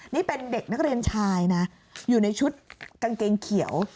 นี่เป็นเด็กนักเรียนชายนะอยู่ในชุดกางเกงเขียว